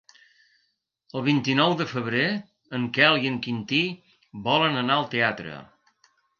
El vint-i-nou de febrer en Quel i en Quintí volen anar al teatre.